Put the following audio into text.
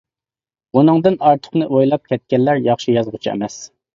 ئۇنىڭدىن ئارتۇقىنى ئويلاپ كەتكەنلەر ياخشى يازغۇچى ئەمەس.